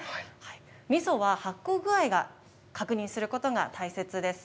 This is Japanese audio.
みそは発酵具合が確認することが大切です。